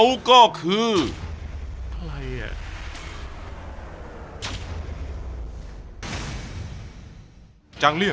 ซุปไก่เมื่อผ่านการต้มก็จะเข้มขึ้น